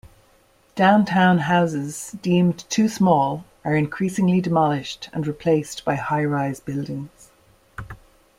Downtown houses deemed too small are increasingly demolished and replaced by high-rise buildings.